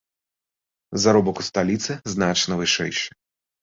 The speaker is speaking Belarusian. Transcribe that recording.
Заробак у сталіцы значна вышэйшы.